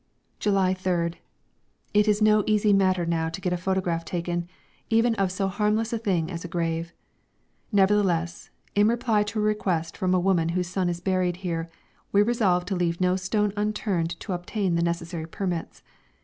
'" July 3rd. It is no easy matter now to get a photograph taken, even of so harmless a thing as a grave. Nevertheless, in reply to a request from a woman whose son is buried here, we resolved to leave no stone unturned to obtain the necessary permits.